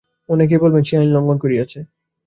অনেকেই বলিবেন, সে আইন লঙ্ঘন করিয়াছে।